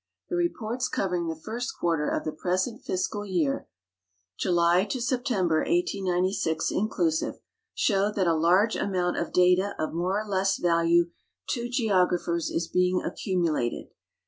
The re])orts covering the first quarter of the present fiscal year — July to Sep tember, 1896, inclusive — show that a large amount of data of more or less value to geographers is being accumulated.